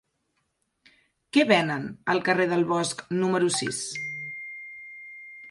Què venen al carrer del Bosc número sis?